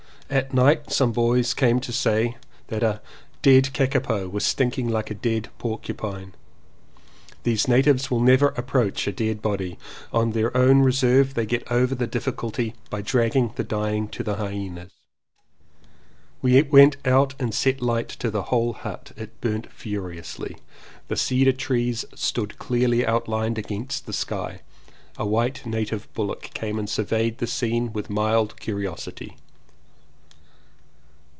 At night some boys came to say that "a dead kakapo was stinking like a dead porcupine." These natives will never approach a dead body: on their own reserve they get over the difficulty by dragging the dying to the hyenas. 255 CONFESSIONS OF TWO BROTHERS We went out and set light to the whole hut. It burnt furiously. The cedar trees stood clearly outlined against the black sky. A white native bullock came and surveyed the scene with mild curiosity.